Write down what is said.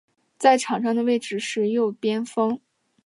在场上的位置是右边锋。